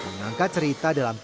menangkat cerita dalam kisah